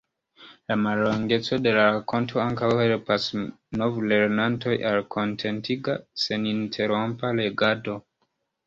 La mallongeco de la rakonto ankaŭ helpas novlernantojn al kontentiga, seninterrompa legado.